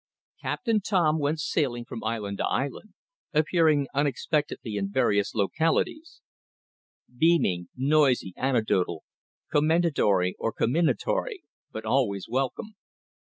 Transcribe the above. Captain Tom went sailing from island to island, appearing unexpectedly in various localities, beaming, noisy, anecdotal, commendatory or comminatory, but always welcome.